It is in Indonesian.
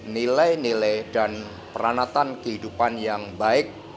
nilai nilai dan peranatan kehidupan yang baik